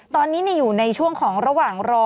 ตอนนี้อยู่ในช่วงของระหว่างรอ